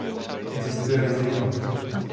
Existuje riziko.